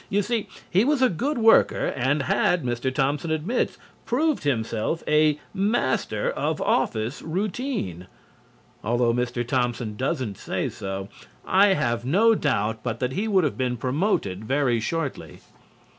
You see, he was a good worker and had, Mr. Thompson admits, proved himself a master of office routine. Although Mr. Thompson doesn't say so, I have no doubt but that he would have been promoted very shortly.